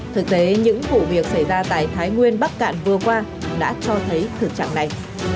thực tế những vụ việc xảy ra tại thái nguyên bắc cạn vừa qua đã cho thấy thực trạng này